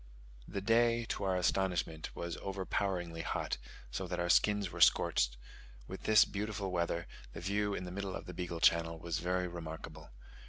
The day to our astonishment was overpoweringly hot, so that our skins were scorched: with this beautiful weather, the view in the middle of the Beagle Channel was very remarkable.